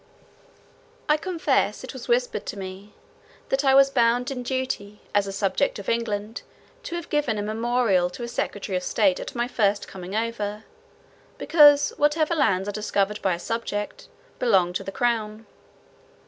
I confess, it was whispered to me, "that I was bound in duty, as a subject of England, to have given in a memorial to a secretary of state at my first coming over; because, whatever lands are discovered by a subject belong to the crown."